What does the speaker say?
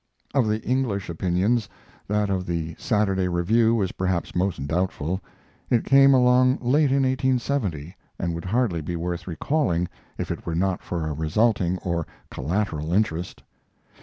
Of the English opinions, that of The Saturday Review was perhaps most doubtful. It came along late in 1870, and would hardly be worth recalling if it were not for a resulting, or collateral, interest.